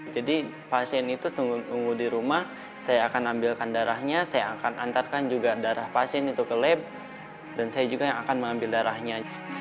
jadi pasien itu tunggu di rumah saya akan ambilkan darahnya saya akan antarkan juga darah pasien itu ke lab dan saya juga akan mengambil darahnya